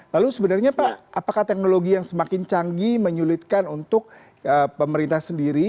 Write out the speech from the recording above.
lalu sebenarnya pak apakah teknologi yang semakin canggih menyulitkan untuk pemerintah sendiri